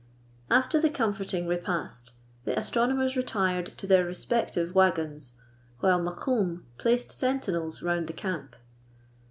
After the comforting repast, the astronomers retired to their respective waggons, whilst Mokoum placed sentinels round the camp.